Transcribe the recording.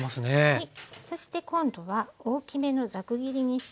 はい。